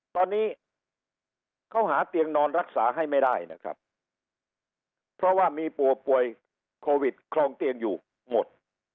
ตอนนี้เขาหาเตียงนอนรักษาให้ไม่ได้นะครับเพราะว่ามีผู้ป่วยโควิดคลองเตียงอยู่หมด